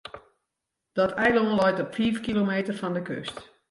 Dat eilân leit op fiif kilometer fan de kust.